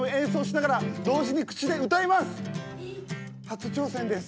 初挑戦です。